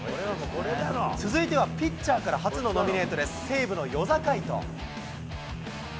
続いては、ピッチャーから初のノミネートです、西武の與座海人。